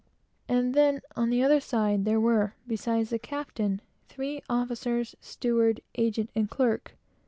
And then there were (beside the captain) three officers, steward, agent and clerk.